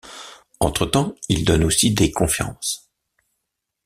Entre-temps, il donne aussi des conférences.